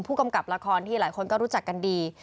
ผู้กำกับละครที่หลายคนก็รู้จักกันดี